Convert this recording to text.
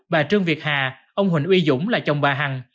bà trương việt hà ông huỳnh uy dũng là chồng bà hằng